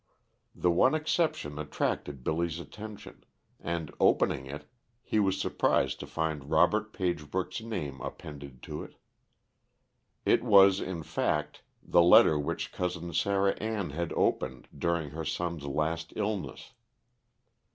The one exception attracted Billy's attention, and opening it, he was surprised to find Robert Pagebrook's name appended to it. It was, in fact, the letter which Cousin Sarah Ann had opened during her son's last illness.